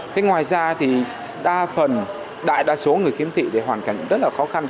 thế ngoài ra thì đa phần đại đa số người khiếm thị về hoàn cảnh rất là khó khăn